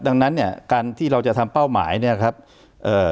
ดังนั้นเนี่ยการที่เราจะทำเป้าหมายเนี้ยครับเอ่อ